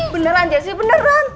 beneran jasny beneran